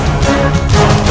ayo kita yang mencari